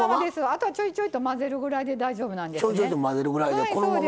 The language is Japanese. あとは、ちょいちょいと混ぜるくらいで大丈夫です。